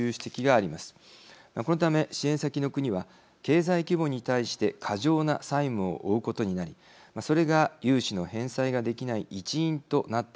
このため支援先の国は経済規模に対して過剰な債務を負うことになりそれが融資の返済ができない一因となっていると見られます。